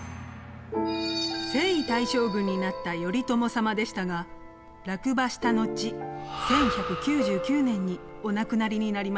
征夷大将軍になった頼朝様でしたが落馬したのち１１９９年にお亡くなりになりました。